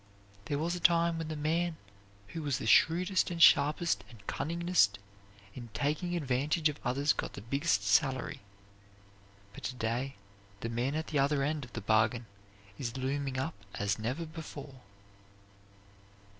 There was a time when the man who was the shrewdest and sharpest and cunningest in taking advantage of others got the biggest salary; but to day the man at the other end of the bargain is looming up as never before.